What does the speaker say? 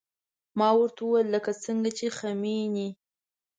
ما ورته وويل لکه څنګه چې خميني.